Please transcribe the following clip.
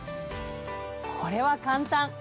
これは簡単！